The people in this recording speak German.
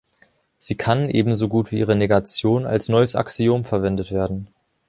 Sie kann, ebenso gut wie ihre Negation, als neues Axiom verwendet werden.